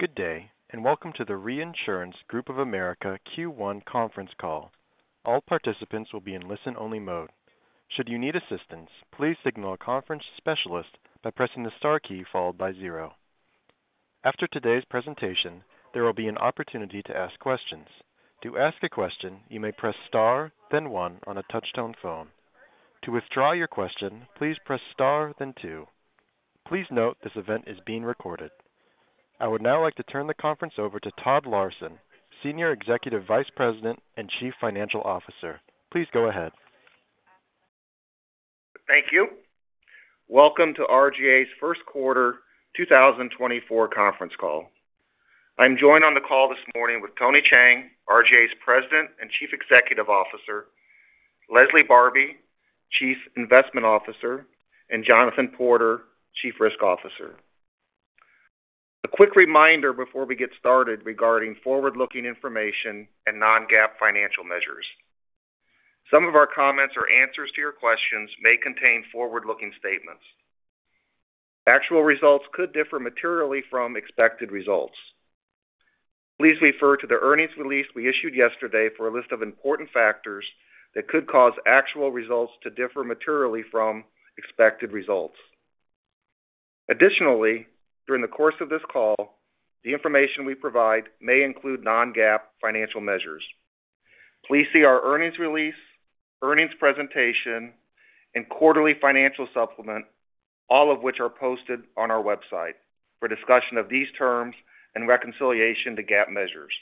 Good day, and welcome to the Reinsurance Group of America Q1 conference call. All participants will be in listen-only mode. Should you need assistance, please signal a conference specialist by pressing the star key followed by zero. After today's presentation, there will be an opportunity to ask questions. To ask a question, you may press star, then one on a touchtone phone. To withdraw your question, please press star then two. Please note, this event is being recorded. I would now like to turn the conference over to Todd Larson, Senior Executive Vice President and Chief Financial Officer. Please go ahead. Thank you. Welcome to RGA's first quarter 2024 conference call. I'm joined on the call this morning with Tony Cheng, RGA's President and Chief Executive Officer, Leslie Barbi, Chief Investment Officer, and Jonathan Porter, Chief Risk Officer. A quick reminder before we get started regarding forward-looking information and non-GAAP financial measures. Some of our comments or answers to your questions may contain forward-looking statements. Actual results could differ materially from expected results. Please refer to the earnings release we issued yesterday for a list of important factors that could cause actual results to differ materially from expected results. Additionally, during the course of this call, the information we provide may include non-GAAP financial measures. Please see our earnings release, earnings presentation, and quarterly financial supplement, all of which are posted on our website, for discussion of these terms and reconciliation to GAAP measures.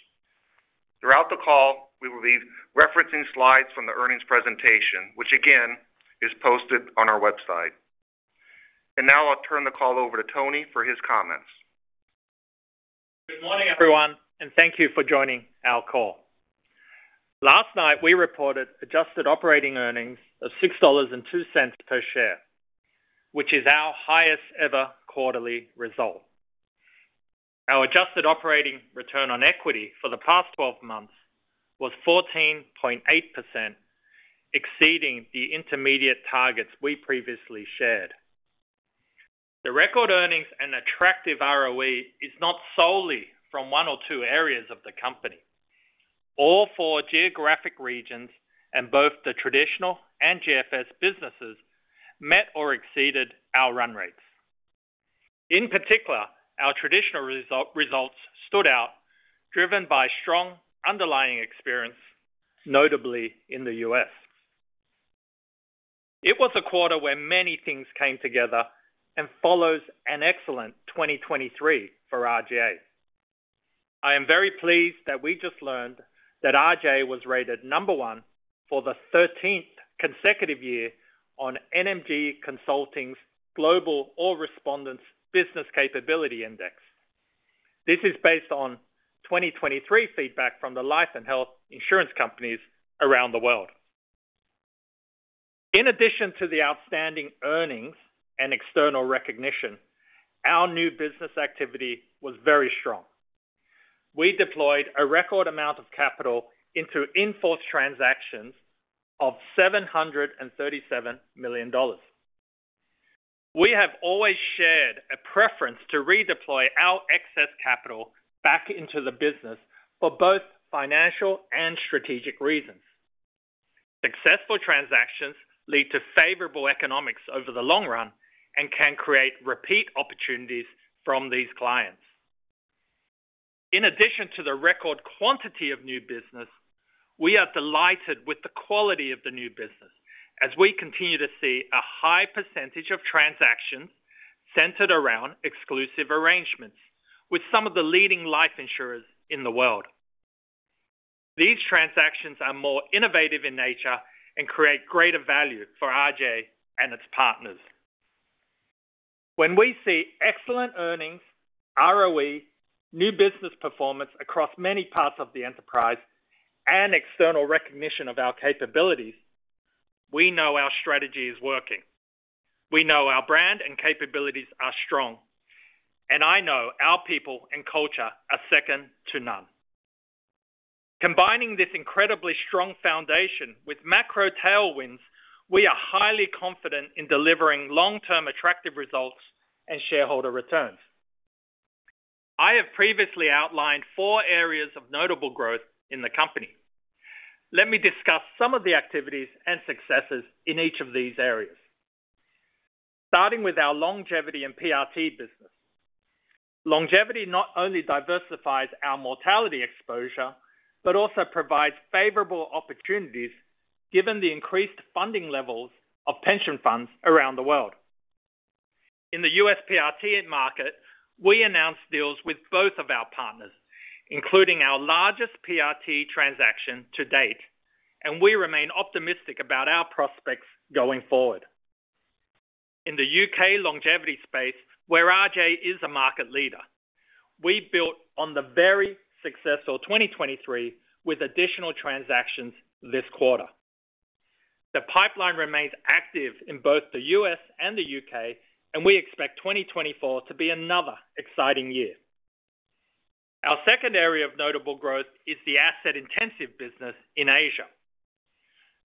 Throughout the call, we will be referencing slides from the earnings presentation, which, again, is posted on our website. Now I'll turn the call over to Tony for his comments. Good morning, everyone, and thank you for joining our call. Last night, we reported Adjusted operating earnings of $6.02 per share, which is our highest-ever quarterly result. Our adjusted operating return on equity for the past 12 months was 14.8%, exceeding the intermediate targets we previously shared. The record earnings and attractive ROE is not solely from one or two areas of the company. All 4 geographic regions and both the traditional and GFS businesses met or exceeded our run rates. In particular, our traditional results stood out, driven by strong underlying experience, notably in the U.S. It was a quarter where many things came together and follows an excellent 2023 for RGA. I am very pleased that we just learned that RGA was rated number 1 for the 13th consecutive year on NMG Consulting's Global All Respondents Business Capability Index. This is based on 2023 feedback from the life and health insurance companies around the world. In addition to the outstanding earnings and external recognition, our new business activity was very strong. We deployed a record amount of capital into in-force transactions of $737 million. We have always shared a preference to redeploy our excess capital back into the business for both financial and strategic reasons. Successful transactions lead to favorable economics over the long run and can create repeat opportunities from these clients. In addition to the record quantity of new business, we are delighted with the quality of the new business as we continue to see a high percentage of transactions centered around exclusive arrangements with some of the leading life insurers in the world. These transactions are more innovative in nature and create greater value for RGA and its partners. When we see excellent earnings, ROE, new business performance across many parts of the enterprise, and external recognition of our capabilities, we know our strategy is working. We know our brand and capabilities are strong, and I know our people and culture are second to none. Combining this incredibly strong foundation with macro tailwinds, we are highly confident in delivering long-term attractive results and shareholder returns. I have previously outlined four areas of notable growth in the company. Let me discuss some of the activities and successes in each of these areas. Starting with our longevity and PRT business. Longevity not only diversifies our mortality exposure, but also provides favorable opportunities given the increased funding levels of pension funds around the world. In the U.S. PRT market, we announced deals with both of our partners, including our largest PRT transaction to date, and we remain optimistic about our prospects going forward. In the U.K. longevity space, where RGA is a market leader, we built on the very successful 2023 with additional transactions this quarter. The pipeline remains active in both the U.S. and the U.K., and we expect 2024 to be another exciting year. Our second area of notable growth is the Asset-intensive business in Asia....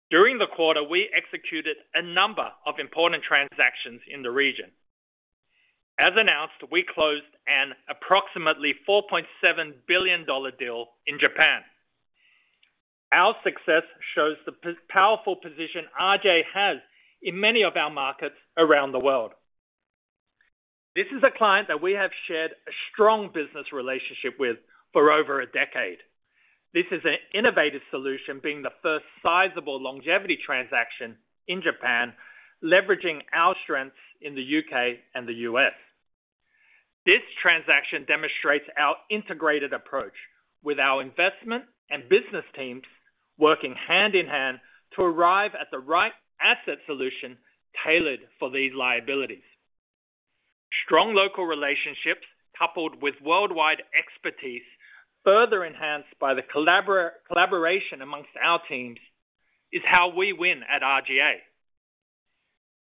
During the quarter, we executed a number of important transactions in the region. As announced, we closed an approximately $4.7 billion deal in Japan. Our success shows the powerful position RGA has in many of our markets around the world. This is a client that we have shared a strong business relationship with for over a decade. This is an innovative solution, being the first sizable longevity transaction in Japan, leveraging our strengths in the UK and the US. This transaction demonstrates our integrated approach with our investment and business teams working hand-in-hand to arrive at the right asset solution tailored for these liabilities. Strong local relationships, coupled with worldwide expertise, further enhanced by the collaboration amongst our teams, is how we win at RGA.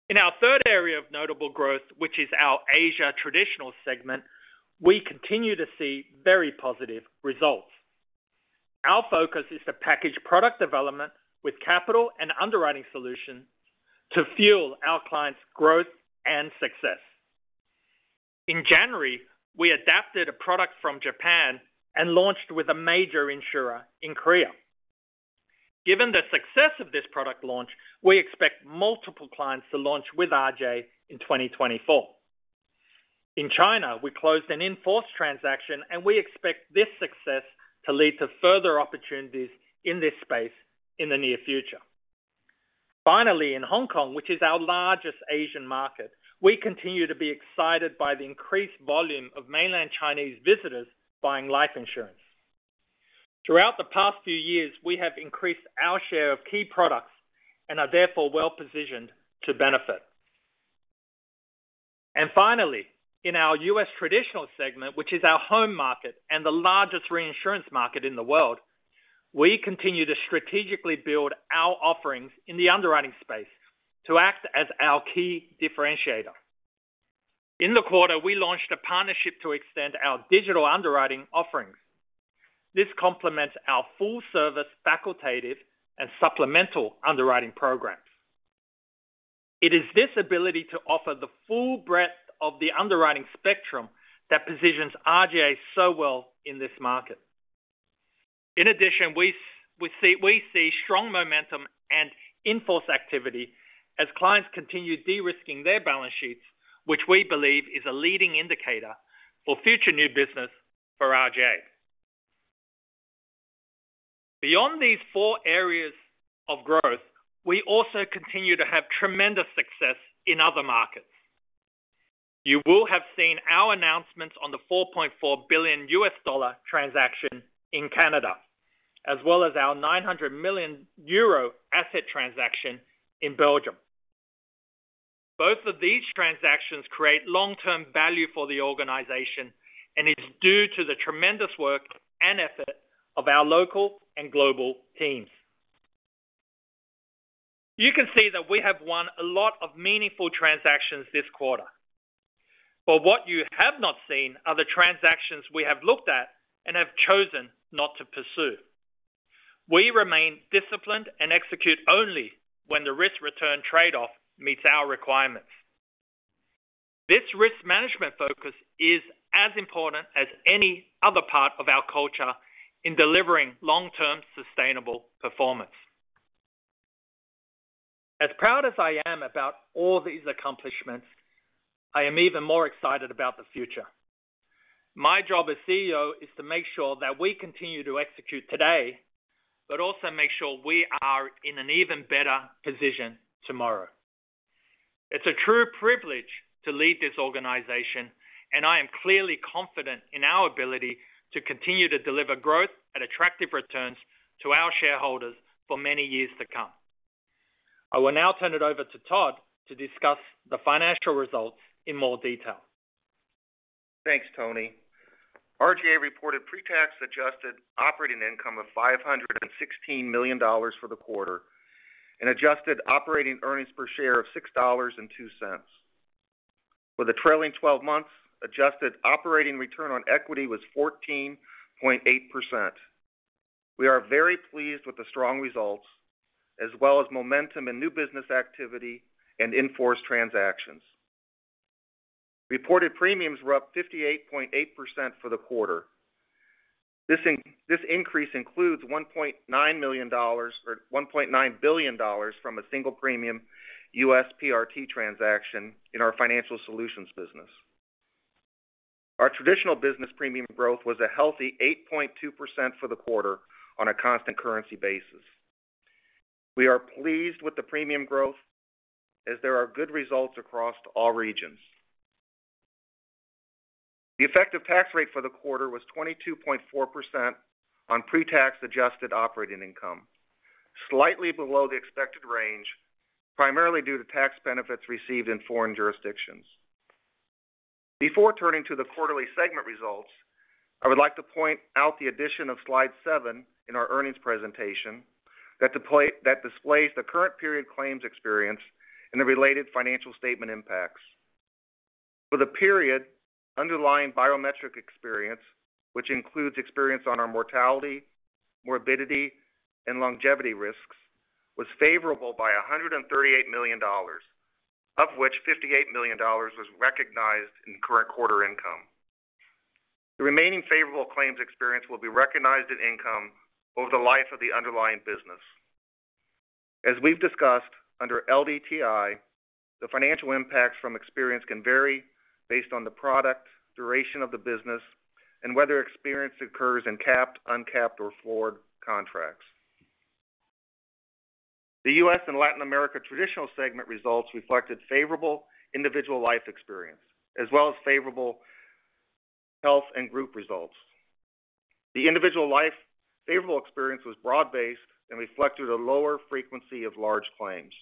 In our third area of notable growth, which is our Asia Traditional segment, we continue to see very positive results. Our focus is to package product development with capital and underwriting solutions to fuel our clients' growth and success. In January, we adapted a product from Japan and launched with a major insurer in Korea. Given the success of this product launch, we expect multiple clients to launch with RGA in 2024. In China, we closed an in-force transaction, and we expect this success to lead to further opportunities in this space in the near future. Finally, in Hong Kong, which is our largest Asian market, we continue to be excited by the increased volume of mainland Chinese visitors buying life insurance. Throughout the past few years, we have increased our share of key products and are therefore well-positioned to benefit. And finally, in our U.S. Traditional segment, which is our home market and the largest reinsurance market in the world, we continue to strategically build our offerings in the underwriting space to act as our key differentiator. In the quarter, we launched a partnership to extend our digital underwriting offerings. This complements our full-service facultative and supplemental underwriting programs. It is this ability to offer the full breadth of the underwriting spectrum that positions RGA so well in this market. In addition, we see strong momentum and in-force activity as clients continue de-risking their balance sheets, which we believe is a leading indicator for future new business for RGA. Beyond these four areas of growth, we also continue to have tremendous success in other markets. You will have seen our announcements on the $4.4 billion transaction in Canada, as well as our 900 million euro asset transaction in Belgium. Both of these transactions create long-term value for the organization, and it's due to the tremendous work and effort of our local and global teams. You can see that we have won a lot of meaningful transactions this quarter, but what you have not seen are the transactions we have looked at and have chosen not to pursue. We remain disciplined and execute only when the risk-return trade-off meets our requirements. This risk management focus is as important as any other part of our culture in delivering long-term, sustainable performance. As proud as I am about all these accomplishments, I am even more excited about the future. My job as CEO is to make sure that we continue to execute today, but also make sure we are in an even better position tomorrow. It's a true privilege to lead this organization, and I am clearly confident in our ability to continue to deliver growth and attractive returns to our shareholders for many years to come. I will now turn it over to Todd to discuss the financial results in more detail. Thanks, Tony. RGA reported pretax adjusted operating income of $516 million for the quarter and Adjusted operating earnings per share of $6.02. For the trailing twelve months, Adjusted operating return on equity was 14.8%. We are very pleased with the strong results, as well as momentum in new business activity and in-force transactions. Reported premiums were up 58.8% for the quarter. This increase includes $1.9 million, or $1.9 billion from a single premium US PRT transaction in our Financial Solutions business. Our traditional business premium growth was a healthy 8.2% for the quarter on a constant currency basis. We are pleased with the premium growth as there are good results across all regions. The effective tax rate for the quarter was 22.4% on pretax adjusted operating income, slightly below the expected range, primarily due to tax benefits received in foreign jurisdictions. Before turning to the quarterly segment results, I would like to point out the addition of Slide 7 in our earnings presentation that displays the current period claims experience and the related financial statement impacts. For the period, underlying biometric experience, which includes experience on our mortality, morbidity, and longevity risks, was favorable by $138 million, of which $58 million was recognized in current quarter income. The remaining favorable claims experience will be recognized in income over the life of the underlying business. As we've discussed, under LDTI, the financial impacts from experience can vary based on the product, duration of the business, and whether experience occurs in capped, uncapped, or floored contracts. The U.S. and Latin America Traditional segment results reflected favorable individual life experience, as well as favorable health and group results. The individual life favorable experience was broad-based and reflected a lower frequency of large claims.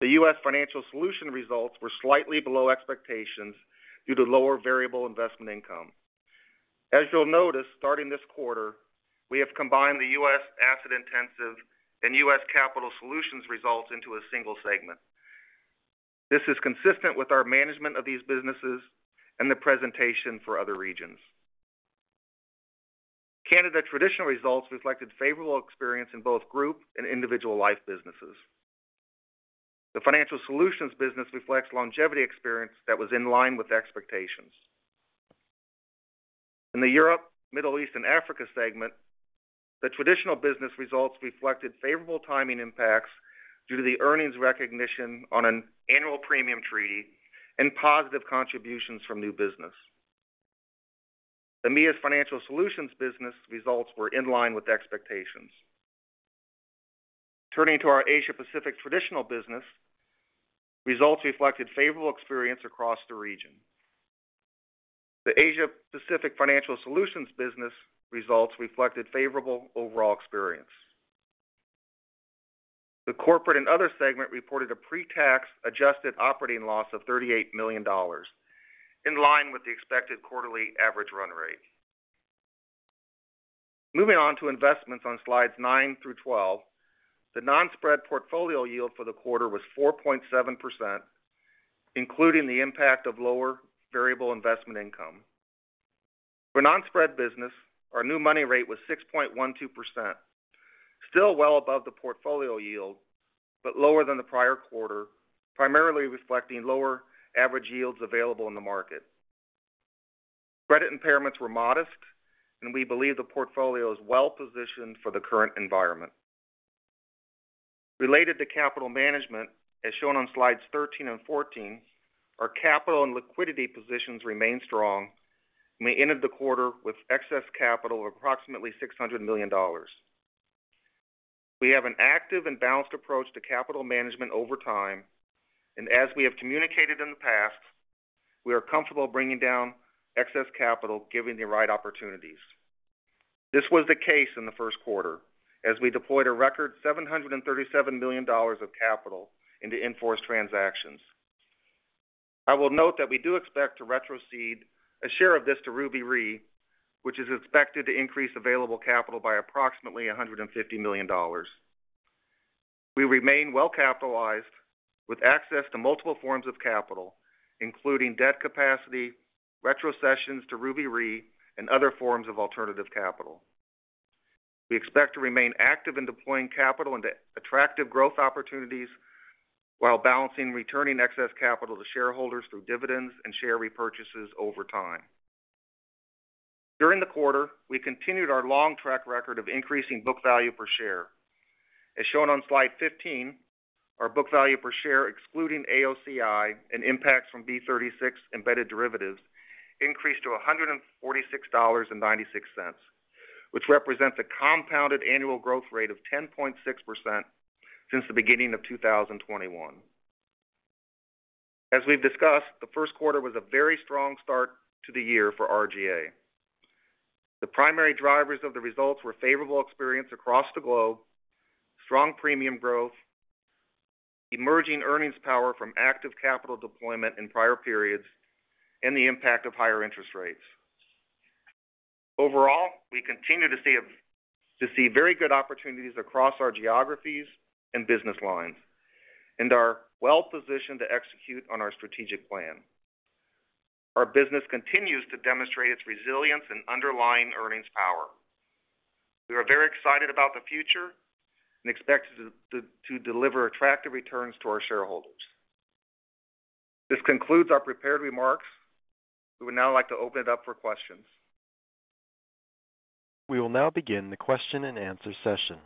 The U.S. Financial Solutions results were slightly below expectations due to lower variable investment income. As you'll notice, starting this quarter, we have combined the U.S. asset intensive and U.S. capital solutions results into a single segment. This is consistent with our management of these businesses and the presentation for other regions. Canada traditional results reflected favorable experience in both group and individual life businesses. The Financial Solutions business reflects longevity experience that was in line with expectations. In the Europe, Middle East, and Africa segment, the traditional business results reflected favorable timing impacts due to the earnings recognition on an annual premium treaty and positive contributions from new business. The EMEA's Financial Solutions business results were in line with expectations. Turning to our Asia Pacific Traditional business, results reflected favorable experience across the region. The Asia Pacific Financial Solutions business results reflected favorable overall experience. The corporate and other segment reported a pre-tax adjusted operating loss of $38 million, in line with the expected quarterly average run rate. Moving on to investments on Slides 9 - 12, the non-spread portfolio yield for the quarter was 4.7%, including the impact of lower variable investment income. For non-spread business, our new money rate was 6.12%, still well above the portfolio yield, but lower than the prior quarter, primarily reflecting lower average yields available in the market. Credit impairments were modest, and we believe the portfolio is well positioned for the current environment. Related to capital management, as shown on Slides 13 and 14, our capital and liquidity positions remain strong, and we ended the quarter with excess capital of approximately $600 million. We have an active and balanced approach to capital management over time, and as we have communicated in the past, we are comfortable bringing down excess capital, given the right opportunities. This was the case in the first quarter, as we deployed a record $737 million of capital into in-force transactions. I will note that we do expect to retrocede a share of this to Ruby Re, which is expected to increase available capital by approximately $150 million. We remain well capitalized, with access to multiple forms of capital, including debt capacity, retrocessions to Ruby Re, and other forms of alternative capital. We expect to remain active in deploying capital into attractive growth opportunities while balancing returning excess capital to shareholders through dividends and share repurchases over time. During the quarter, we continued our long track record of increasing Book value per share. As shown on Slide 15, our book value per share, excluding AOCI and impacts from B36 embedded derivatives, increased to $146.96, which represents a compounded annual growth rate of 10.6% since the beginning of 2021. As we've discussed, the first quarter was a very strong start to the year for RGA. The primary drivers of the results were favorable experience across the globe, strong premium growth, emerging earnings power from active capital deployment in prior periods, and the impact of higher interest rates. Overall, we continue to see very good opportunities across our geographies and business lines and are well positioned to execute on our strategic plan. Our business continues to demonstrate its resilience and underlying earnings power. We are very excited about the future and expect to deliver attractive returns to our shareholders. This concludes our prepared remarks. We would now like to open it up for questions. We will now begin the question-and-answer session.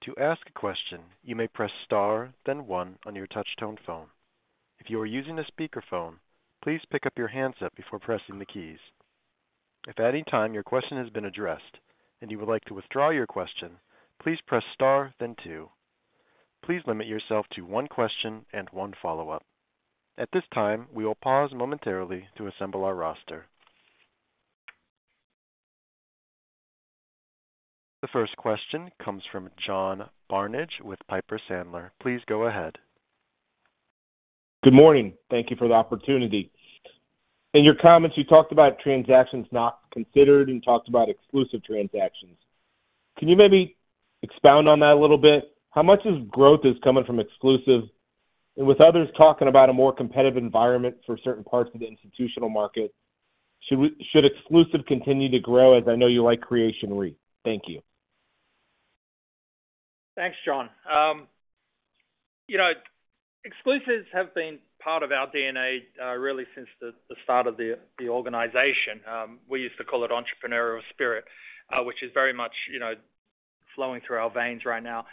To ask a question, you may press star, then one on your touch-tone phone. If you are using a speakerphone, please pick up your handset before pressing the keys. If at any time your question has been addressed and you would like to withdraw your question, please press star, then two. Please limit yourself to one question and one follow-up. At this time, we will pause momentarily to assemble our roster. The first question comes from John Barnidge with Piper Sandler. Please go ahead. Good morning. Thank you for the opportunity. In your comments, you talked about transactions not considered and talked about exclusive transactions. Can you maybe expound on that a little bit? How much of growth is coming from exclusive? And with others talking about a more competitive environment for certain parts of the institutional market, should exclusive continue to grow, as I know you like Creation REIT? Thank you. Thanks, John. You know, exclusives have been part of our DNA, really since the start of the organization. We used to call it entrepreneurial spirit, which is very much, you know, flowing through our veins right now.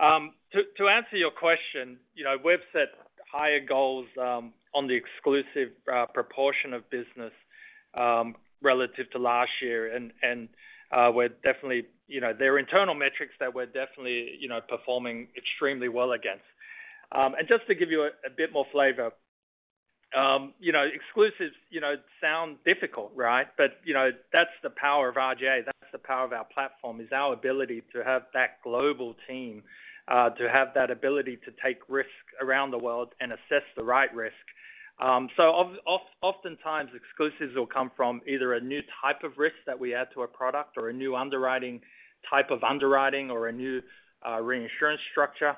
To answer your question, you know, we've set higher goals on the exclusive proportion of business relative to last year. And we're definitely, you know, there are internal metrics that we're definitely, you know, performing extremely well against. And just to give you a bit more flavor, you know, exclusive sound difficult, right? But you know, that's the power of RGA, that's the power of our platform, is our ability to have that Global team to have that ability to take risk around the world and assess the right risk. Oftentimes, exclusives will come from either a new type of risk that we add to a product or a new underwriting, type of underwriting or a new reinsurance structure.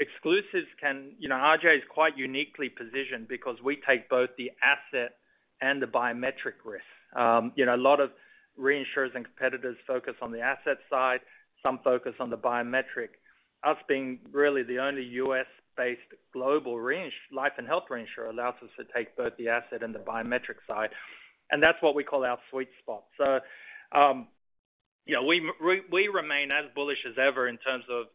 Exclusives can... You know, RGA is quite uniquely positioned because we take both the asset and the biometric risk. You know, a lot of reinsurers and competitors focus on the asset side, some focus on the biometric. Us being really the only U.S.-based global life and health reinsurer allows us to take both the asset and the biometric side, and that's what we call our sweet spot. So, yeah, we remain as bullish as ever in terms of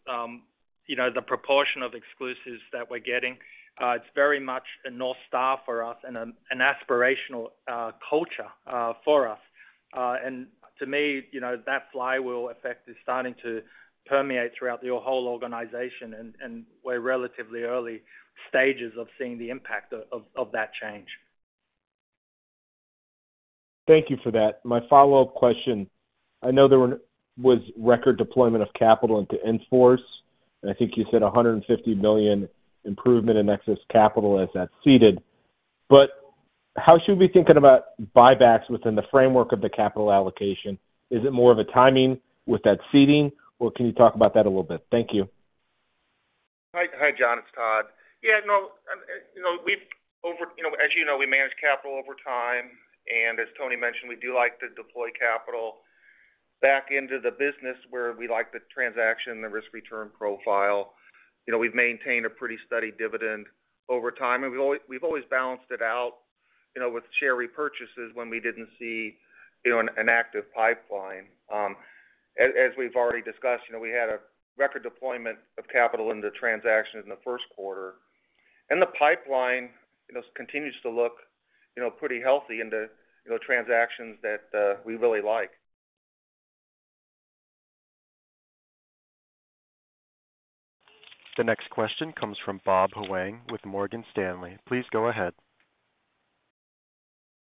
the proportion of exclusives that we're getting. It's very much a north star for us and an aspirational culture for us. To me, you know, that flywheel effect is starting to permeate throughout the whole organization, and we're relatively early stages of seeing the impact of that change. Thank you for that. My follow-up question: I know there was record deployment of capital into in-force, and I think you said $150 million improvement in excess capital as that's ceded. But how should we be thinking about buybacks within the framework of the capital allocation? Is it more of a timing with that ceding, or can you talk about that a little bit? Thank you. Hi. Hi, John, it's Todd. Yeah, no, you know, we've... You know, as you know, we manage capital over time, and as Tony mentioned, we do like to deploy capital back into the business where we like the transaction, the risk-return profile. You know, we've maintained a pretty steady dividend over time, and we've always balanced it out, you know, with Share repurchases when we didn't see, you know, an active pipeline. As we've already discussed, you know, we had a record deployment of capital into transactions in the first quarter. The pipeline, you know, continues to look, you know, pretty healthy into, you know, transactions that we really like. The next question comes from Bob Huang with Morgan Stanley. Please go ahead.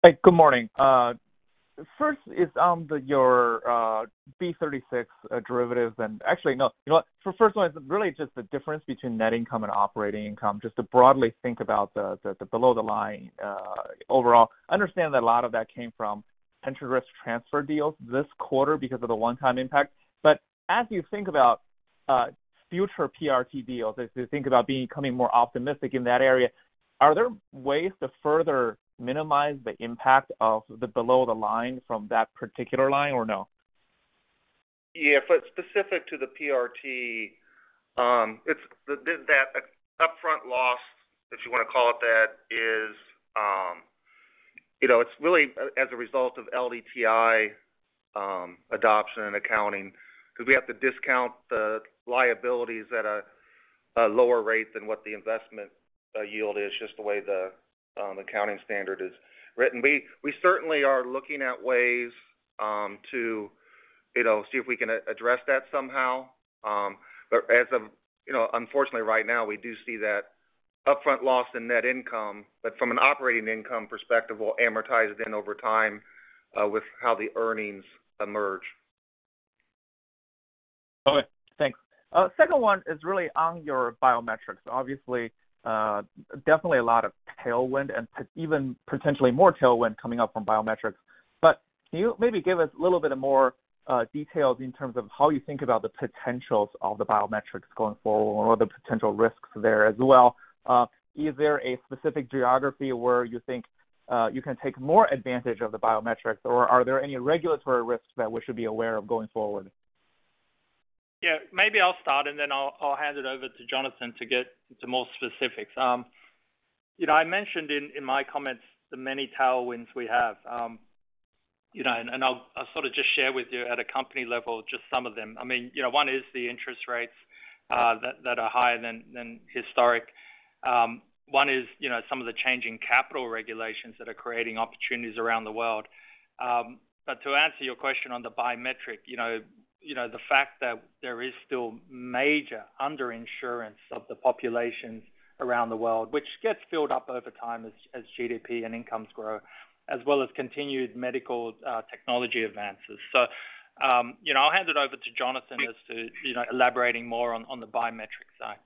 Hey, good morning. First one is really just the difference between net income and operating income, just to broadly think about the below the line overall. I understand that a lot of that came from Pension Risk Transfer deals this quarter because of the one-time impact. But as you think about future PRT deals, as you think about becoming more optimistic in that area, are there ways to further minimize the impact of the below the line from that particular line, or no? Yeah, specific to the PRT, it's the that upfront loss, if you wanna call it that, is, you know, it's really as a result of LDTI adoption and accounting, because we have to discount the liabilities at a lower rate than what the investment yield is, just the way the accounting standard is written. We certainly are looking at ways to, you know, see if we can address that somehow. But as of, you know, unfortunately, right now, we do see that upfront loss in net income, but from an operating income perspective, we'll amortize it in over time with how the earnings emerge. Okay, thanks. Second one is really on your biometrics. Obviously, definitely a lot of tailwind and even potentially more tailwind coming up from biometrics. But can you maybe give us a little bit of more details in terms of how you think about the potentials of the biometrics going forward or the potential risks there as well? Is there a specific geography where you think you can take more advantage of the biometrics, or are there any regulatory risks that we should be aware of going forward? Yeah, maybe I'll start, and then I'll hand it over to Jonathan to get into more specifics. You know, I mentioned in my comments the many tailwinds we have. You know, and I'll sort of just share with you at a company level just some of them. I mean, you know, one is the interest rates that are higher than historic. One is, you know, some of the changing capital regulations that are creating opportunities around the world. But to answer your question on the biometric, you know, the fact that there is still major underinsurance of the populations around the world, which gets filled up over time as GDP and incomes grow, as well as continued medical technology advances. You know, I'll hand it over to Jonathan as to, you know, elaborating more on, on the biometric side....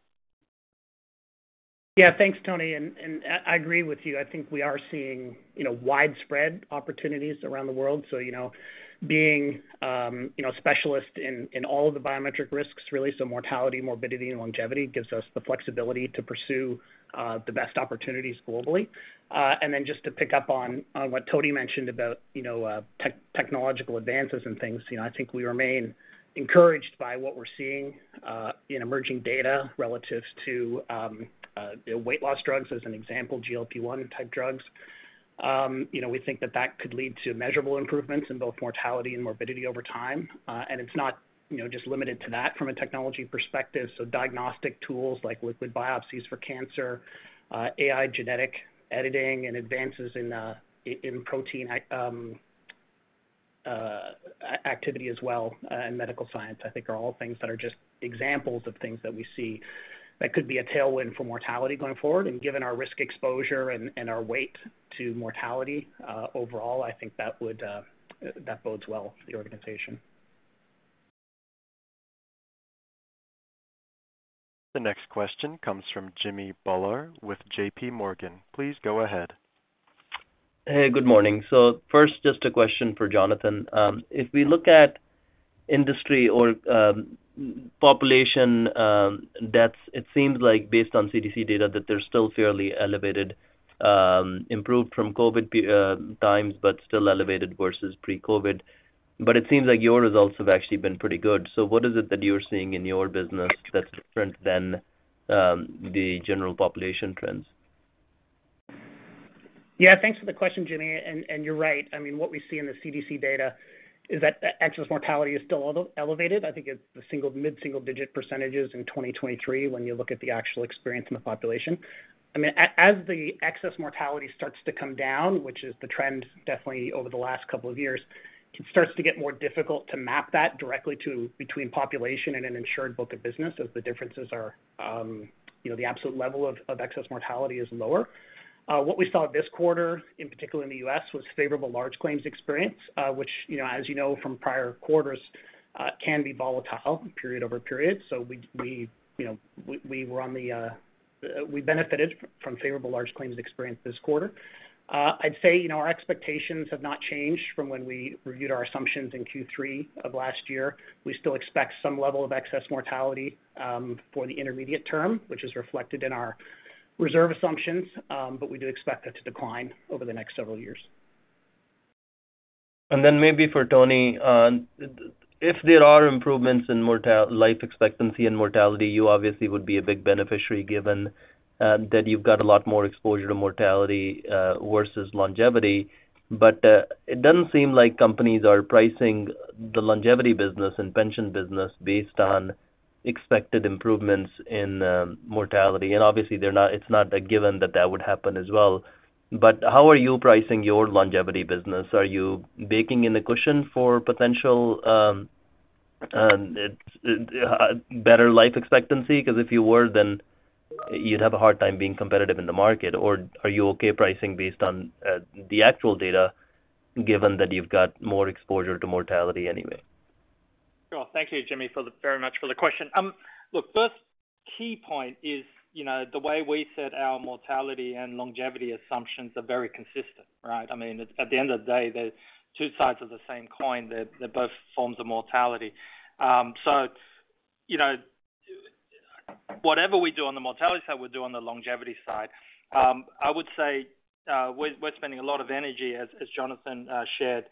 Yeah, thanks, Tony, and I agree with you. I think we are seeing, you know, widespread opportunities around the world. So, you know, being, you know, a specialist in all of the biometric risks, really, so mortality, morbidity, and longevity, gives us the flexibility to pursue the best opportunities globally. And then just to pick up on what Tony mentioned about, you know, technological advances and things, you know, I think we remain encouraged by what we're seeing in emerging data relative to weight loss drugs, as an example, GLP-1 type drugs. You know, we think that that could lead to measurable improvements in both mortality and morbidity over time. And it's not, you know, just limited to that from a technology perspective. So diagnostic tools like liquid biopsies for cancer, AI genetic editing, and advances in protein activity as well in medical science, I think are all things that are just examples of things that we see that could be a tailwind for mortality going forward. And given our risk exposure and our weight to mortality overall, I think that bodes well for the organization. The next question comes from Jimmy Bhullar with J.P. Morgan. Please go ahead. Hey, good morning. So first, just a question for Jonathan. If we look at industry or population deaths, it seems like based on CDC data, that they're still fairly elevated, improved from COVID peak times, but still elevated versus pre-COVID. But it seems like your results have actually been pretty good. So what is it that you're seeing in your business that's different than the general population trends? Yeah, thanks for the question, Jimmy, and you're right. I mean, what we see in the CDC data is that excess mortality is still elevated. I think it's the mid-single digit percentages in 2023, when you look at the actual experience in the population. I mean, as the excess mortality starts to come down, which is the trend definitely over the last couple of years, it starts to get more difficult to map that directly to between population and an insured book of business, as the differences are, you know, the absolute level of excess mortality is lower. What we saw this quarter, in particular in the U.S., was favorable large claims experience, which, you know, as you know from prior quarters, can be volatile period over period. So, you know, we benefited from favorable large claims experience this quarter. I'd say, you know, our expectations have not changed from when we reviewed our assumptions in Q3 of last year. We still expect some level of excess mortality for the intermediate term, which is reflected in our reserve assumptions, but we do expect that to decline over the next several years. Maybe for Tony, if there are improvements in mortality, life expectancy and mortality, you obviously would be a big beneficiary, given that you've got a lot more exposure to mortality versus longevity. But it doesn't seem like companies are pricing the longevity business and pension business based on expected improvements in mortality. And obviously, they're not. It's not a given that that would happen as well. But how are you pricing your longevity business? Are you baking in a cushion for potential better life expectancy? Because if you were, then you'd have a hard time being competitive in the market. Or are you okay pricing based on the actual data, given that you've got more exposure to mortality anyway? Sure. Thank you, Jimmy, very much for the question. Look, first key point is, you know, the way we set our mortality and longevity assumptions are very consistent, right? I mean, at the end of the day, they're two sides of the same coin. They're both forms of mortality. So, you know, whatever we do on the mortality side, we do on the longevity side. I would say, we're spending a lot of energy, as Jonathan shared,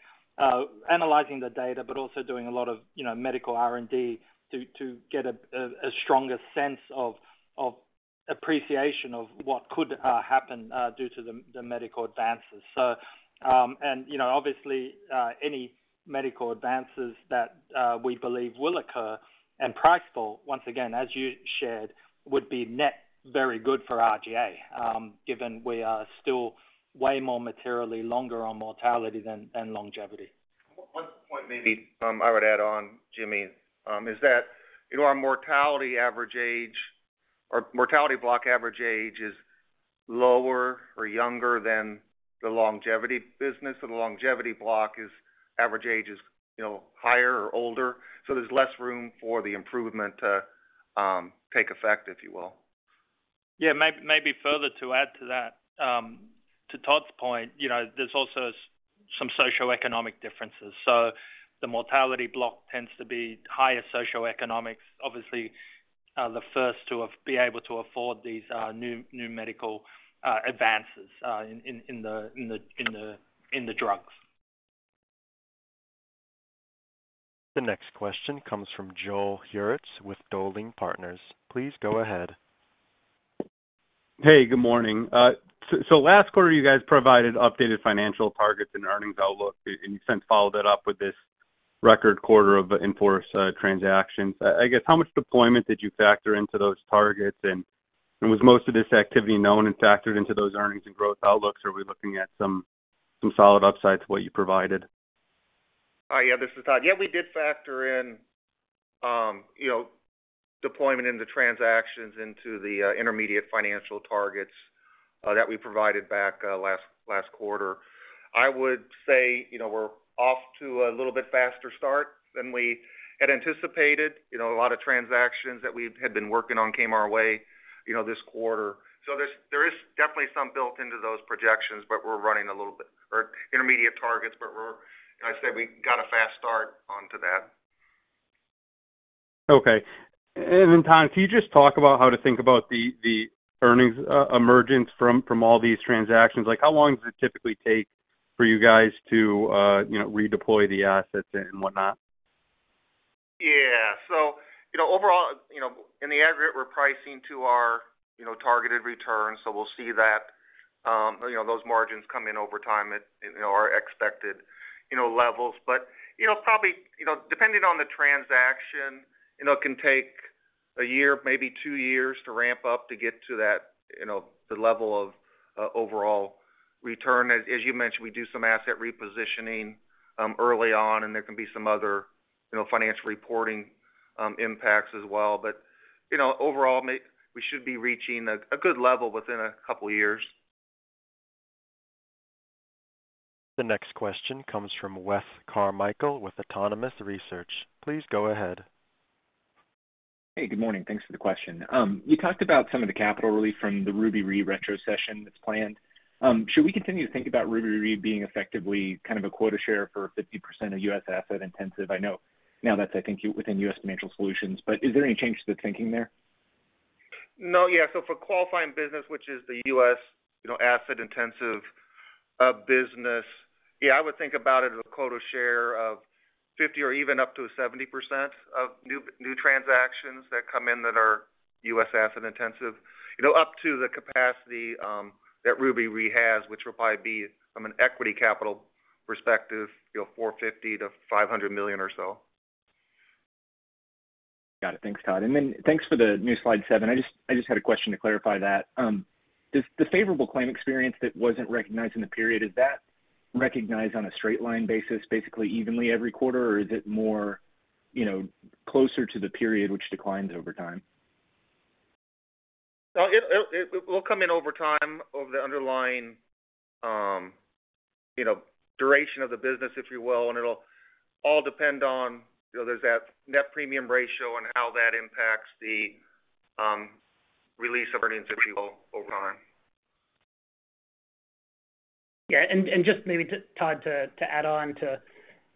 analyzing the data, but also doing a lot of, you know, medical R&D to get a stronger sense of appreciation of what could happen due to the medical advances. So, you know, obviously, any medical advances that we believe will occur and price for, once again, as you shared, would be net very good for RGA, given we are still way more materially longer on mortality than longevity. One point maybe, I would add on, Jimmy, is that, you know, our mortality average age or mortality block average age is lower or younger than the longevity business, and the longevity block is average age is, you know, higher or older, so there's less room for the improvement to, take effect, if you will. Yeah, maybe further to add to that, to Todd's point, you know, there's also some socioeconomic differences. So the mortality block tends to be higher socioeconomics, obviously, the first to be able to afford these new medical advances in the drugs. The next question comes from Joel Hurwitz with Dowling & Partners. Please go ahead. Hey, good morning. So last quarter, you guys provided updated financial targets and earnings outlook, and you since followed that up with this record quarter of in-force transactions. I guess, how much deployment did you factor into those targets? And was most of this activity known and factored into those earnings and growth outlooks, or are we looking at some solid upsides to what you provided? Yeah, this is Todd. Yeah, we did factor in, you know, deployment into transactions, into the intermediate financial targets that we provided back last quarter. I would say, you know, we're off to a little bit faster start than we had anticipated. You know, a lot of transactions that we had been working on came our way, you know, this quarter. So there is definitely some built into those projections, but we're running a little bit or intermediate targets, but we're. I'd say we got a fast start on to that. Okay. And then, Todd, can you just talk about how to think about the earnings emergence from all these transactions? Like, how long does it typically take for you guys to, you know, redeploy the assets and whatnot? Yeah. So, you know, overall, you know, in the aggregate, we're pricing to our, you know, targeted returns, so we'll see that, you know, those margins come in over time at, you know, our expected, you know, levels. But, you know, probably, you know, depending on the transaction, you know, it can take a year, maybe two years to ramp up to get to that, you know, the level of overall return. As you mentioned, we do some asset repositioning early on, and there can be some other, you know, financial reporting impacts as well. But, you know, overall, we should be reaching a good level within a couple of years. The next question comes from Wes Carmichael with Autonomous Research. Please go ahead. Hey, good morning. Thanks for the question. You talked about some of the capital relief from the Ruby Re retrocession that's planned. Should we continue to think about Ruby Re being effectively kind of a quota share for 50% of U.S. Asset-intensive? I know now that's, I think, within U.S. Financial Solutions, but is there any change to the thinking there? No, yeah. So for qualifying business, which is the U.S., you know, Asset-intensive business, yeah, I would think about it as a quota share of 50 or even up to 70% of new transactions that come in that are U.S. Asset-intensive, you know, up to the capacity that Ruby Re has, which would probably be, from an equity capital perspective, you know, $450 million-$500 million or so. Got it. Thanks, Todd. And then thanks for the new slide 7. I just had a question to clarify that. Does the favorable claim experience that wasn't recognized in the period, is that recognized on a straight line basis, basically evenly every quarter? Or is it more, you know, closer to the period which declines over time? It will come in over time, over the underlying, you know, duration of the business, if you will, and it'll all depend on, you know, there's that net premium ratio and how that impacts the release of earnings, if you will, over time? Yeah, and just maybe to Todd, to add on to,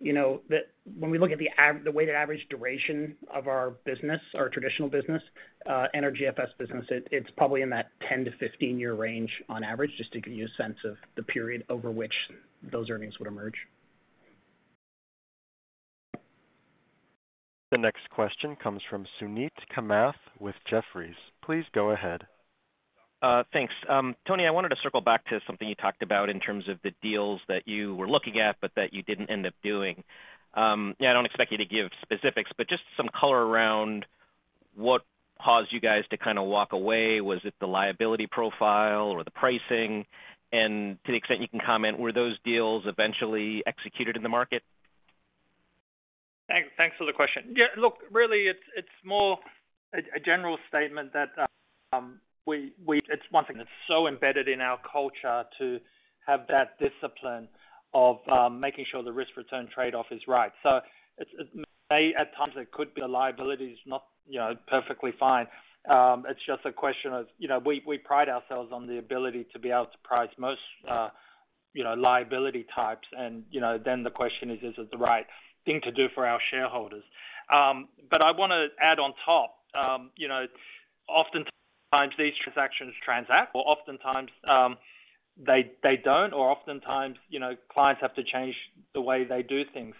you know, that when we look at the weighted average duration of our business, our traditional business, and our GFS business, it's probably in that 10-15 year range on average, just to give you a sense of the period over which those earnings would emerge. The next question comes from Suneet Kamath with Jefferies. Please go ahead. Thanks. Tony, I wanted to circle back to something you talked about in terms of the deals that you were looking at, but that you didn't end up doing. Yeah, I don't expect you to give specifics, but just some color around what caused you guys to kind of walk away. Was it the liability profile or the pricing? And to the extent you can comment, were those deals eventually executed in the market? Thanks for the question. Yeah, look, really it's more a general statement that we-- It's one thing that's so embedded in our culture to have that discipline of making sure the risk-return trade-off is right. So it may at times, there could be a liability is not, you know, perfectly fine. It's just a question of, you know, we pride ourselves on the ability to be able to price most liability types and, you know, then the question is: Is it the right thing to do for our shareholders? But I want to add on top, you know, oftentimes these transactions transact, or oftentimes they don't, or oftentimes, you know, clients have to change the way they do things.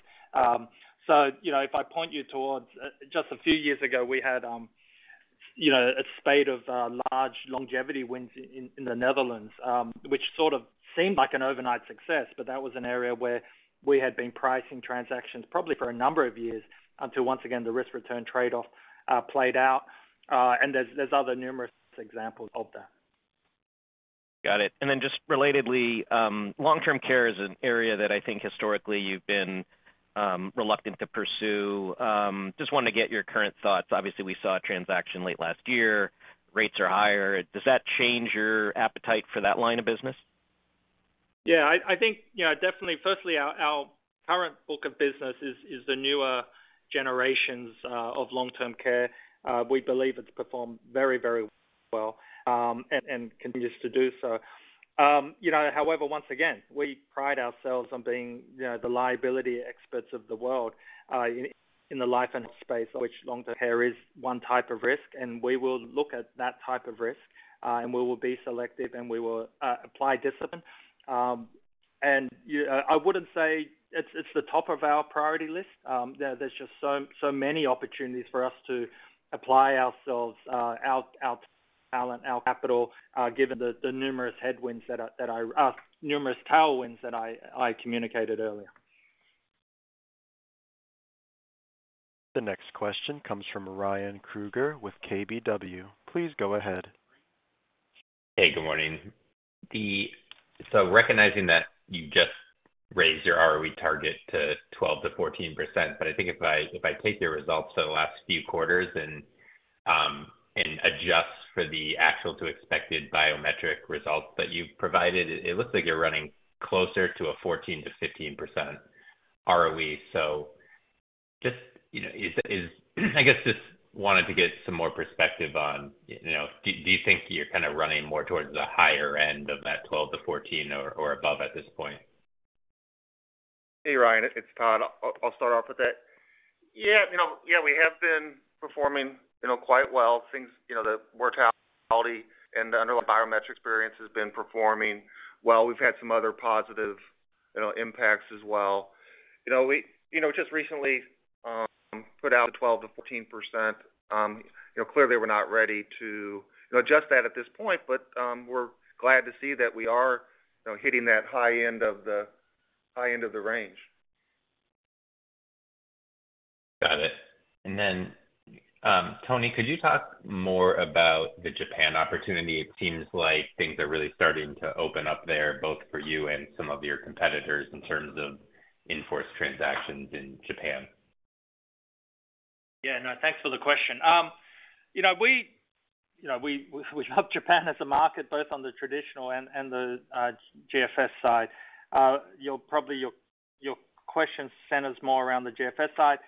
So, you know, if I point you towards just a few years ago, we had, you know, a spate of large longevity wins in the Netherlands, which sort of seemed like an overnight success, but that was an area where we had been pricing transactions probably for a number of years, until, once again, the risk-return trade-off played out. And there's other numerous examples of that. Got it. And then just relatedly, long-term care is an area that I think historically you've been, reluctant to pursue. Just wanted to get your current thoughts. Obviously, we saw a transaction late last year. Rates are higher. Does that change your appetite for that line of business? Yeah, I think, you know, definitely. Firstly, our current book of business is the newer generations of long-term care. We believe it's performed very, very well, and continues to do so. You know, however, once again, we pride ourselves on being, you know, the liability experts of the world, in the life and space, which long-term care is one type of risk, and we will look at that type of risk, and we will be selective, and we will apply discipline. And yeah, I wouldn't say it's the top of our priority list. There's just so many opportunities for us to apply ourselves, our talent, our capital, given the numerous tailwinds that I communicated earlier. The next question comes from Ryan Krueger with KBW. Please go ahead. Hey, good morning. So recognizing that you just-... raised your ROE target to 12%-14%. But I think if I take your results for the last few quarters and adjust for the actual to expected biometric results that you've provided, it looks like you're running closer to a 14%-15% ROE. So just, you know, is, I guess, just wanted to get some more perspective on, you know, do you think you're kind of running more towards the higher end of that 12-14 or above at this point? Hey, Ryan, it's Todd. I'll start off with that. Yeah, you know, yeah, we have been performing, you know, quite well. Things, you know, the mortality and the underlying biometric experience has been performing well. We've had some other positive, you know, impacts as well. You know, we, you know, just recently put out a 12%-14%. You know, clearly, we're not ready to, you know, adjust that at this point, but we're glad to see that we are, you know, hitting that high end of the, high end of the range. Got it. And then, Tony, could you talk more about the Japan opportunity? It seems like things are really starting to open up there, both for you and some of your competitors, in terms of in-force transactions in Japan. Yeah, no, thanks for the question. You know, we love Japan as a market, both on the traditional and the GFS side. You're probably. Your question centers more around the GFS side.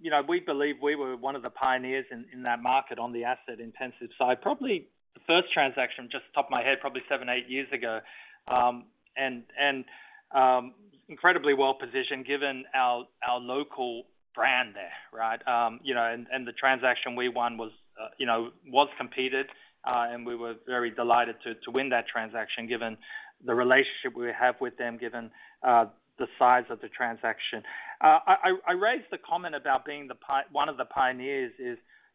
You know, we believe we were one of the pioneers in that market on the asset intensive side. Probably the first transaction, off the top of my head, probably 7, 8 years ago. Incredibly well positioned, given our local brand there, right? You know, and the transaction we won was competitive, and we were very delighted to win that transaction, given the relationship we have with them, given the size of the transaction. I raised the comment about being one of the pioneers,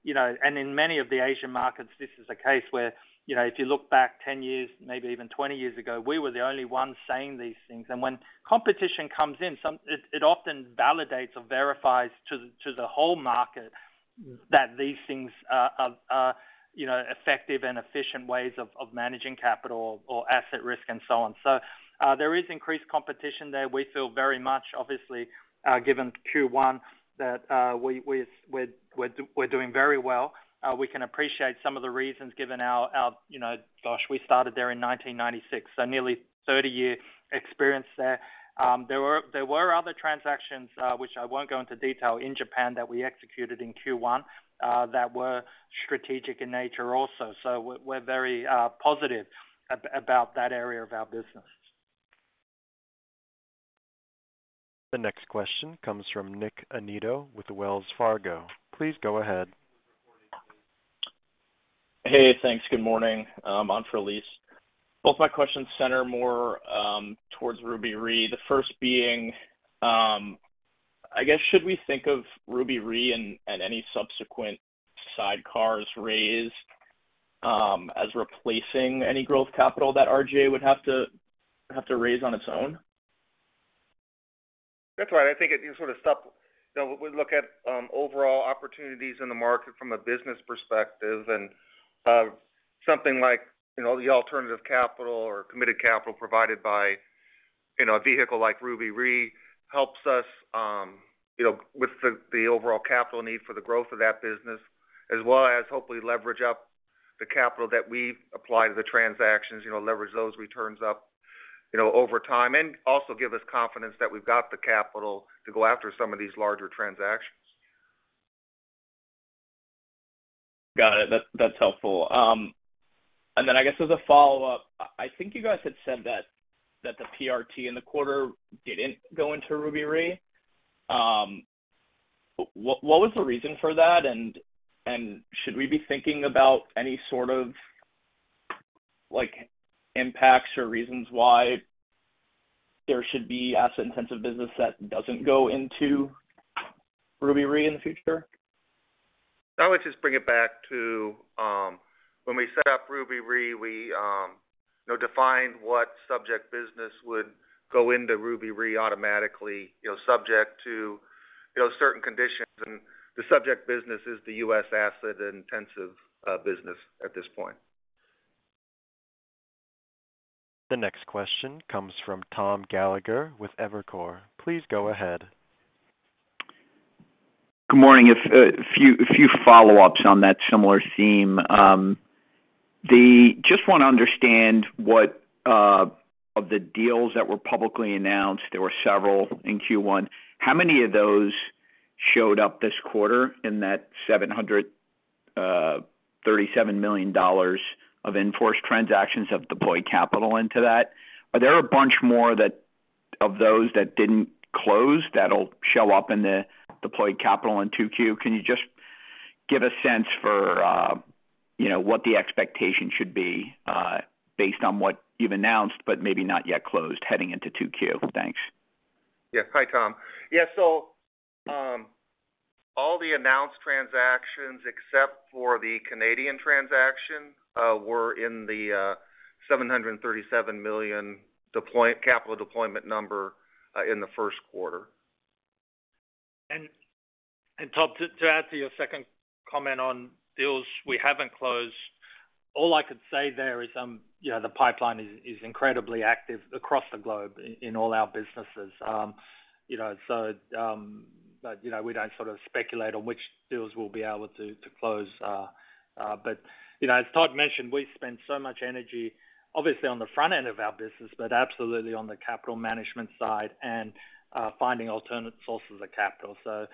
you know, and in many of the Asian markets, this is a case where, you know, if you look back 10 years, maybe even 20 years ago, we were the only ones saying these things. And when competition comes in, it often validates or verifies to the whole market that these things are, you know, effective and efficient ways of managing capital or asset risk and so on. So, there is increased competition there. We feel very much, obviously, given Q1, that we, we're doing very well. We can appreciate some of the reasons given our, you know, gosh, we started there in 1996, so nearly 30-year experience there. There were other transactions, which I won't go into detail, in Japan, that we executed in Q1, that were strategic in nature also. So we're very positive about that area of our business. The next question comes from Nick Annitto with Wells Fargo. Please go ahead. Hey, thanks. Good morning, on for. Both my questions center more towards Ruby Re. The first being, I guess, should we think of Ruby Re and, and any subsequent sidecars raised as replacing any growth capital that RGA would have to, have to raise on its own? That's right. I think it sort of— You know, we look at overall opportunities in the market from a business perspective, and something like, you know, the Alternative capital or committed capital provided by, you know, a vehicle like Ruby Re, helps us, you know, with the overall capital need for the growth of that business, as well as hopefully leverage up the capital that we apply to the transactions, you know, leverage those returns up, you know, over time, and also give us confidence that we've got the capital to go after some of these larger transactions. Got it. That's, that's helpful. And then I guess as a follow-up, I think you guys had said that the PRT in the quarter didn't go into Ruby Re. What was the reason for that? And should we be thinking about any sort of, like, impacts or reasons why there should be Asset intensive business that doesn't go into Ruby Re in the future? I would just bring it back to when we set up Ruby Re, we you know, defined what subject business would go into Ruby Re automatically, you know, subject to you know, certain conditions, and the subject business is the U.S. Asset-intensive business at this point. The next question comes from Tom Gallagher with Evercore. Please go ahead. Good morning. If a few follow-ups on that similar theme. Just want to understand what of the deals that were publicly announced, there were several in Q1. How many of those showed up this quarter in that $737 million of in-force transactions of deployed capital into that? Are there a bunch more that, of those that didn't close, that'll show up in the deployed capital in Q2? Can you just give a sense for, you know, what the expectation should be, based on what you've announced, but maybe not yet closed, heading into Q2? Thanks. Yeah. Hi, Tom. Yeah, so all the announced transactions, except for the Canadian transaction, were in the $737 million Capital deployment number in the first quarter.... And Todd, to add to your second comment on deals we haven't closed, all I could say there is, you know, the pipeline is incredibly active across the globe in all our businesses. You know, so, but, you know, we don't sort of speculate on which deals we'll be able to close. But, you know, as Todd mentioned, we spend so much energy, obviously, on the front end of our business, but absolutely on the capital management side and finding alternate sources of capital. So,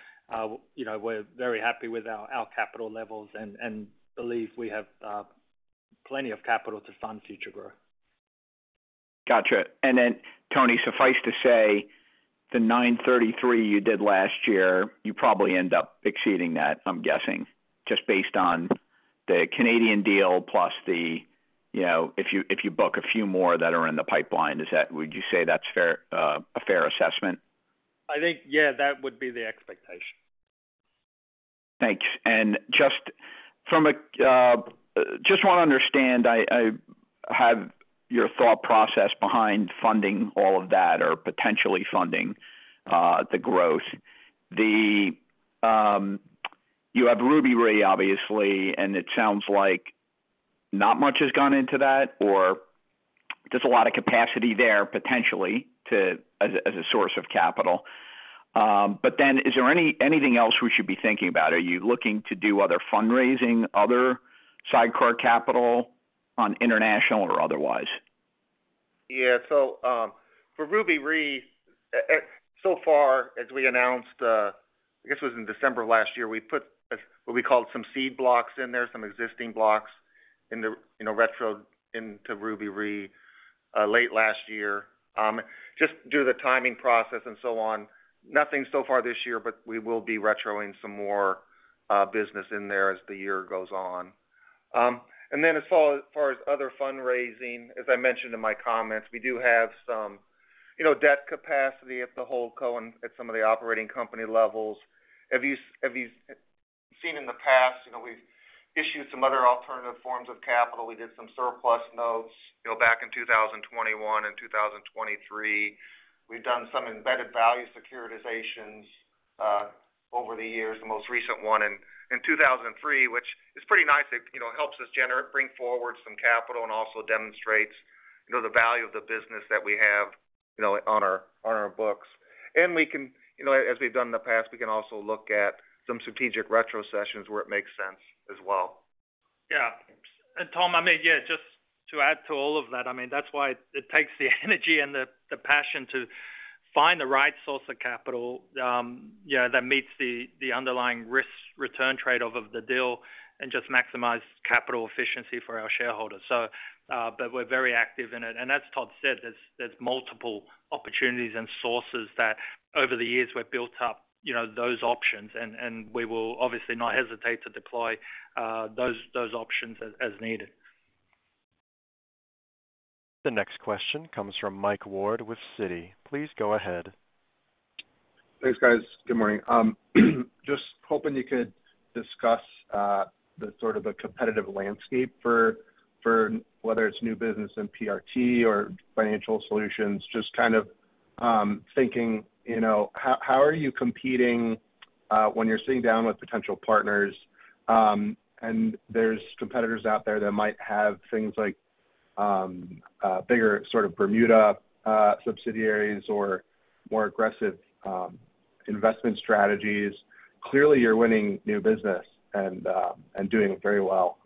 you know, we're very happy with our capital levels and believe we have plenty of capital to fund future growth. Gotcha. And then, Tony, suffice to say, the $933 you did last year, you probably end up exceeding that, I'm guessing, just based on the Canadian deal plus the, you know, if you, if you book a few more that are in the pipeline, is that, would you say that's fair, a fair assessment? I think, yeah, that would be the expectation. Thanks. And just want to understand, I have your thought process behind funding all of that or potentially funding the growth. You have Ruby Re, obviously, and it sounds like not much has gone into that, or there's a lot of capacity there potentially to as a source of capital. But then is there anything else we should be thinking about? Are you looking to do other fundraising, other sidecar capital on international or otherwise? Yeah. So, for Ruby Re, so far, as we announced, I guess it was in December of last year, we put what we called some seed blocks in there, some existing blocks in the, you know, retro into Ruby Re, late last year. Just due to the timing process and so on, nothing so far this year, but we will be retro-ing some more, business in there as the year goes on. And then as far, far as other fundraising, as I mentioned in my comments, we do have some, you know, Debt capacity at the whole co and at some of the operating company levels. Have you, have you seen in the past, you know, we've issued some other alternative forms of capital. We did some surplus notes, you know, back in 2021 and 2023. We've done some embedded value securitizations over the years, the most recent one in 2003, which is pretty nice. It, you know, helps us generate, bring forward some capital and also demonstrates, you know, the value of the business that we have, you know, on our books. And we can, you know, as we've done in the past, we can also look at some strategic retrocessions where it makes sense as well. Yeah. And Tom, I mean, yeah, just to add to all of that, I mean, that's why it takes the energy and the passion to find the right source of capital, yeah, that meets the underlying risk-return trade-off of the deal and just maximize capital efficiency for our shareholders. So, but we're very active in it. And as Todd said, there's multiple opportunities and sources that over the years we've built up, you know, those options, and we will obviously not hesitate to deploy those options as needed. The next question comes from Mike Ward with Citi. Please go ahead. Thanks, guys. Good morning. Just hoping you could discuss the sort of the competitive landscape for whether it's new business in PRT or financial solutions. Just kind of thinking, you know, how are you competing when you're sitting down with potential partners and there's competitors out there that might have things like bigger sort of Bermuda subsidiaries or more aggressive investment strategies? Clearly, you're winning new business and doing it very well.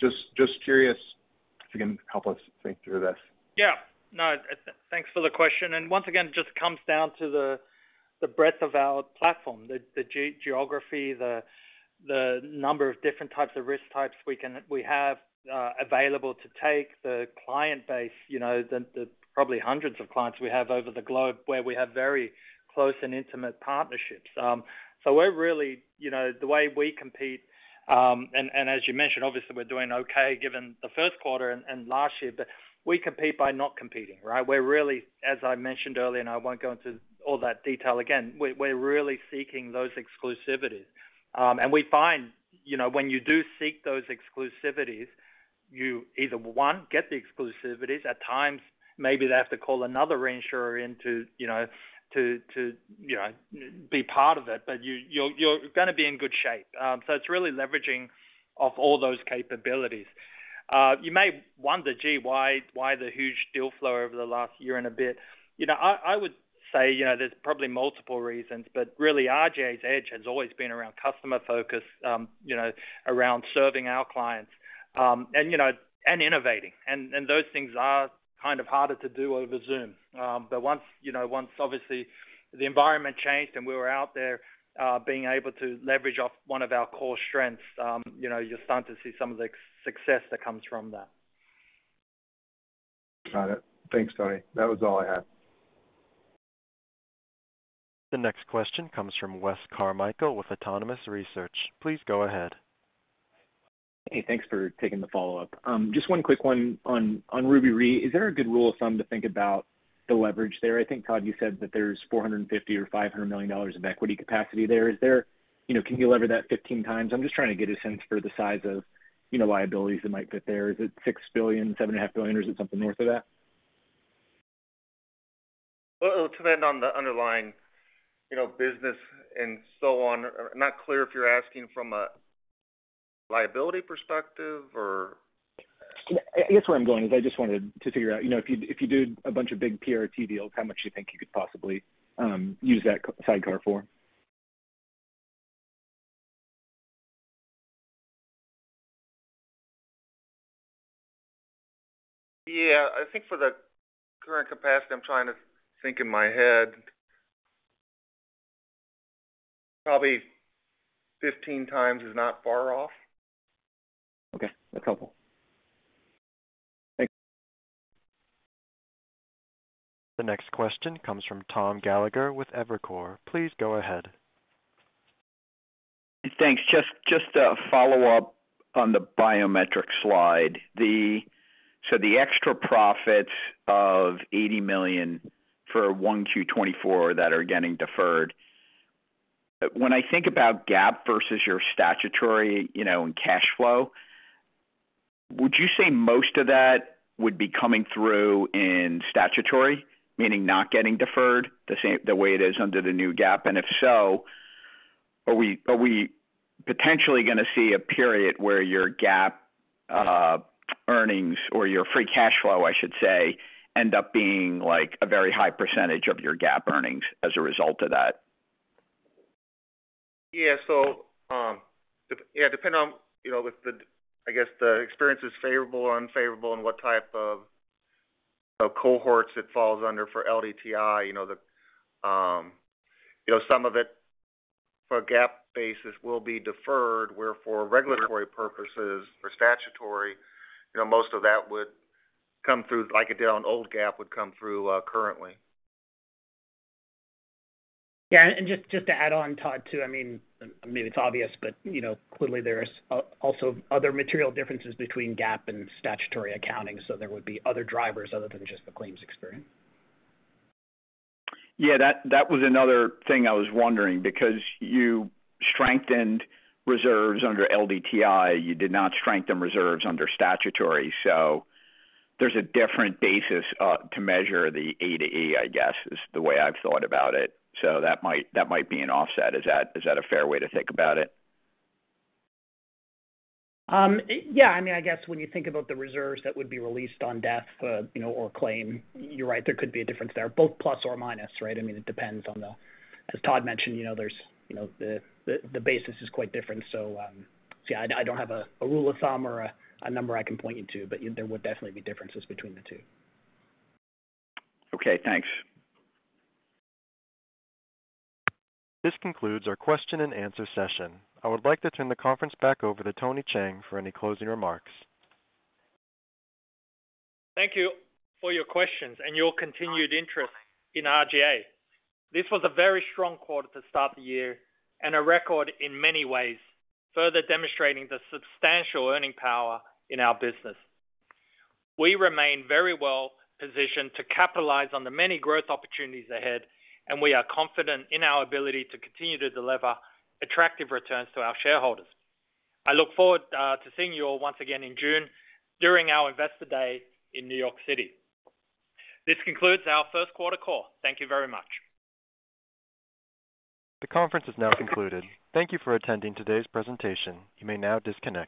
Just curious if you can help us think through this. Yeah. No, thanks for the question, and once again, it just comes down to the breadth of our platform, the geography, the number of different types of risk types we have available to take, the client base, you know, the probably hundreds of clients we have over the globe, where we have very close and intimate partnerships. So we're really, you know, the way we compete, and as you mentioned, obviously, we're doing okay given the first quarter and last year, but we compete by not competing, right? We're really, as I mentioned earlier, and I won't go into all that detail again, we're really seeking those exclusivities. And we find, you know, when you do seek those exclusivities, you either, one, get the exclusivities. At times, maybe they have to call another reinsurer in to, you know, be part of it, but you're gonna be in good shape. So it's really leveraging of all those capabilities. You may wonder, gee, why the huge deal flow over the last year and a bit? You know, I would say, you know, there's probably multiple reasons, but really, RGA's edge has always been around customer focus, you know, around serving our clients, and, you know, and innovating. And those things are kind of harder to do over Zoom. But once, you know, obviously, the environment changed and we were out there, being able to leverage off one of our core strengths, you know, you're starting to see some of the success that comes from that. Got it. Thanks, Tony. That was all I had. The next question comes from Wes Carmichael with Autonomous Research. Please go ahead. Hey, thanks for taking the follow-up. Just one quick one on Ruby Re. Is there a good rule of thumb to think about the leverage there? I think, Todd, you said that there's $450 million or $500 million of equity capacity there. Is there—you know, can you lever that 15 times? I'm just trying to get a sense for the size of, you know, liabilities that might fit there. Is it $6 billion, $7.5 billion, or is it something north of that?... Well, it'll depend on the underlying, you know, business and so on. I'm not clear if you're asking from a liability perspective or? I guess where I'm going is I just wanted to figure out, you know, if you, if you do a bunch of big PRT deals, how much do you think you could possibly use that sidecar for? Yeah, I think for the current capacity, I'm trying to think in my head. Probably 15 times is not far off. Okay, that's helpful. Thanks. The next question comes from Tom Gallagher with Evercore. Please go ahead. Thanks. Just a follow-up on the biometric slide. So the extra profits of $80 million for 1Q 2024 that are getting deferred, when I think about GAAP versus your statutory, you know, and cash flow, would you say most of that would be coming through in statutory, meaning not getting deferred the same way it is under the new GAAP? And if so, are we potentially going to see a period where your GAAP earnings or your free cash flow, I should say, end up being like a very high percentage of your GAAP earnings as a result of that? Yeah. So, yeah, depending on, you know, if the, I guess, the experience is favorable or unfavorable and what type of cohorts it falls under for LDTI, you know, the, you know, some of it for a GAAP basis will be deferred, where for regulatory purposes or statutory, you know, most of that would come through like it did on old GAAP would come through, currently. Yeah, and just to add on, Todd, too, I mean, maybe it's obvious, but, you know, clearly there's also other material differences between GAAP and statutory accounting, so there would be other drivers other than just the claims experience. Yeah, that, that was another thing I was wondering, because you strengthened reserves under LDTI. You did not strengthen reserves under statutory. So there's a different basis to measure the A to E, I guess, is the way I've thought about it. So that might, that might be an offset. Is that, is that a fair way to think about it? Yeah, I mean, I guess when you think about the reserves that would be released on death, you know, or claim, you're right, there could be a difference there, both plus or minus, right? I mean, it depends on the... As Todd mentioned, you know, there's the basis is quite different. So, I don't have a rule of thumb or a number I can point you to, but there would definitely be differences between the two. Okay, thanks. This concludes our question and answer session. I would like to turn the conference back over to Tony Cheng for any closing remarks. Thank you for your questions and your continued interest in RGA. This was a very strong quarter to start the year and a record in many ways, further demonstrating the substantial earning power in our business. We remain very well positioned to capitalize on the many growth opportunities ahead, and we are confident in our ability to continue to deliver attractive returns to our shareholders. I look forward to seeing you all once again in June during our Investor Day in New York City. This concludes our first quarter call. Thank you very much. The conference is now concluded. Thank you for attending today's presentation. You may now disconnect.